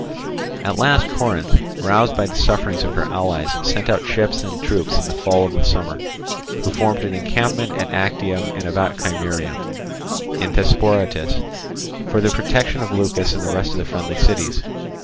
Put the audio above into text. At last Corinth, roused by the sufferings of her allies, sent out ships and troops in the fall of the summer, who formed an encampment at Actium and about Chimerium, in Thesprotis, for the protection of Leucas and the rest of the friendly cities.